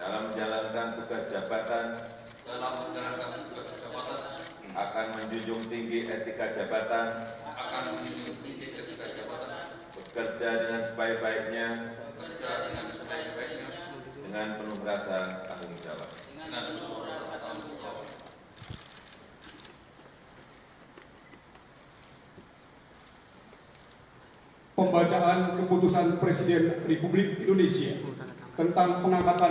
lalu kebangsaan indonesia baik